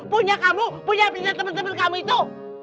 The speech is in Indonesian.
punya kamu punya temen temen kamu itu